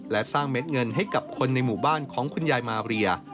และสร้างเม็ดเงินให้กับคนในหมู่บ้านของคุณยายมาเรีย